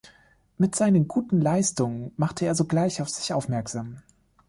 Mit seinen guten Leistungen machte er sogleich auf sich aufmerksam.